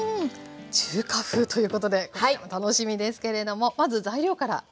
中華風ということで楽しみですけれどもまず材料からお願いします。